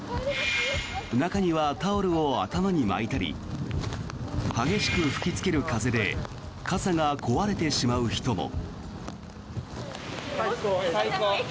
中にはタオルを頭に巻いたり激しく吹きつける風で傘が壊れてしまう人も。